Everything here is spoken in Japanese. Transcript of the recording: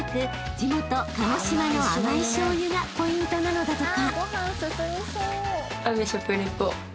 地元鹿児島の甘いしょうゆがポイントなのだとか］